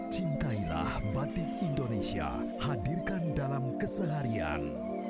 cintailah batik indonesia hadirkan dalam keseharian